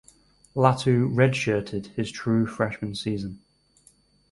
Latu redshirted his true freshman season.